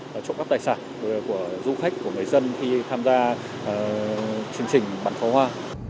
và trộm cắp tài sản của du khách của người dân khi tham gia chương trình bắn pháo hoa